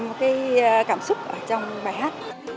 cái cảm xúc ở trong bài hát